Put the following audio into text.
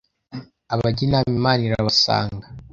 abajya inama imana irabasanga